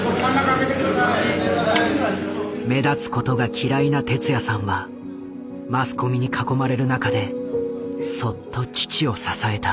目立つことが嫌いな哲也さんはマスコミに囲まれる中でそっと父を支えた。